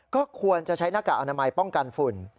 ก็ควรจะใช้หน้ากากอนามัยป้องกันฝุ่น